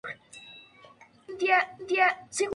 En la gira vuelven a Europa junto a Manowar y Uriah Heep.